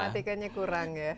matematikanya kurang ya